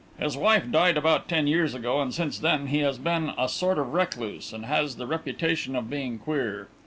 His wife died about ten years ago, and since then he has been a sort of recluse, and has the reputation of being queer.